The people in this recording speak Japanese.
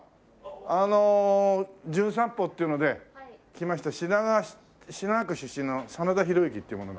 あの『じゅん散歩』っていうので来ました品川区出身の真田広之っていう者なんだけど。